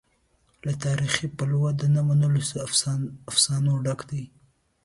له تاریخي پلوه د نه منلو له افسانو ډک دی.